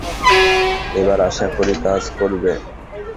এবার আশা করি কাজ করবে।